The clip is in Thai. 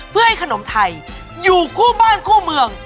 เพื่อให้ขนมไทยอยู่คู่บ้านคู่เมือง